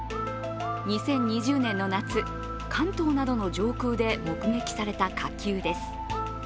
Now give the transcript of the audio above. ２０２０年の夏、関東などの上空で目撃された火球です。